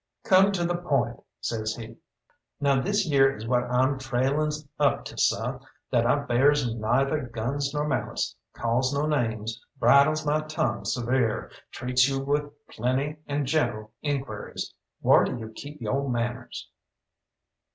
"Come to the point," says he. "Now this yere is what I'm trailin's up to, seh, that I bears neither guns nor malice, calls no names, bridles my tongue severe, treats you with plenty and gentle inquiries, whar do you keep yo' manners?"